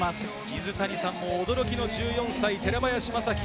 水谷さんも驚きの１４歳、寺林昌輝。